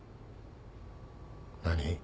何？